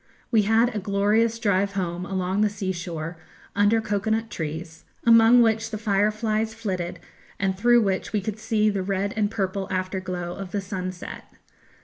We had a glorious drive home along the sea shore under cocoa nut trees, amongst which the fireflies flitted, and through which we could see the red and purple afterglow of the sunset.